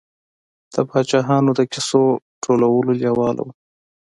د پاچاهانو د کیسو ټولولو لېواله و.